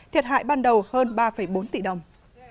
thiệt hại ban đầu hơn ba bốn tỷ đồng